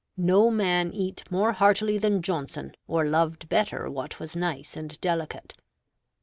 No man eat more heartily than Johnson, or loved better what was nice and delicate.